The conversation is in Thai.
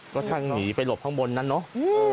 ก็ช่างหนีไปหลบข้างบนนั้นเนาะ